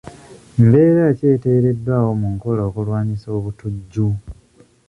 Mbeera ki eteereddwawo mu nkola okulwanyisa obutujju?